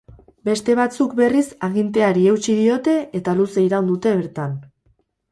Beste batzuk berriz aginteari eutsi diote eta luze iraun dute bertan.